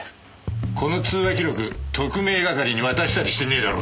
この通話記録特命係に渡したりしてねえだろうな？